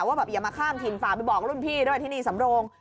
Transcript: ว่าแบบอย่ามาข้ามถิ่นฝากไปบอกรุ่นพี่ด้วยที่นี่สำโรง